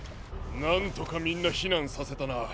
なんとかみんなひなんさせたな。